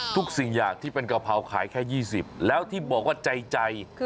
ทุกสิ่งอย่างที่เป็นกะเพราขายแค่๒๐แล้วที่บอกว่าใจ